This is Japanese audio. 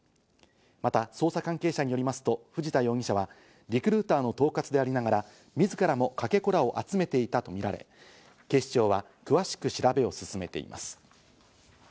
また捜査関係者によりますと、藤田容疑者はリクルーターの統括でありながら、自らもかけ子らを集めていたとみられ、警視庁は詳しく調べを進めています。